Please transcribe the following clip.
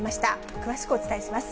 詳しくお伝えします。